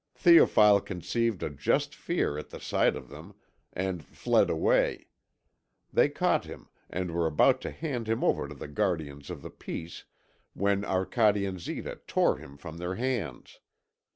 Théophile conceived a just fear at the sight of them, and fled away; they caught him and were about to hand him over to the guardians of the peace, when Arcade and Zita tore him from their hands.